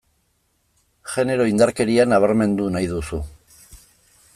Genero indarkeria nabarmendu nahi duzu.